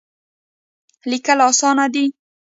لیکل اسانه دی.